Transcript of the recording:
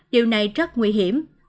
điều này rất nguy hiểm